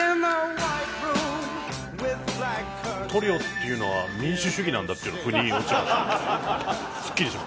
トリオっていうのは民主主義なんだっていうの腑に落ちましたね。